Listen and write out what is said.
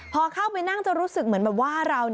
พอเข้าไปนั่งจะรู้สึกเหมือนแบบว่าเรา